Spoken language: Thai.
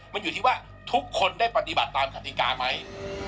มันอยู่ที่ว่าทุกคนได้ปฏิบัติตามกติกาไหม